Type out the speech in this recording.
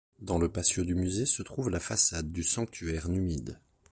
Dans le patio du musée se trouve la façade du sanctuaire numide.